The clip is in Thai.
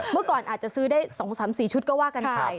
เมื่อก่อนอาจจะซื้อได้๒๓๔ชุดก็ว่ากันไป